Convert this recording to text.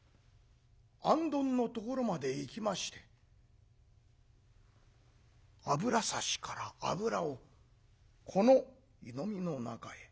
行灯のところまで行きまして油差しから油をこの湯飲みの中へ。